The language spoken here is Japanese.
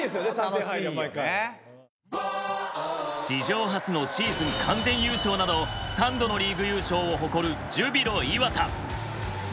史上初のシーズン完全優勝など３度のリーグ優勝を誇るジュビロ磐田。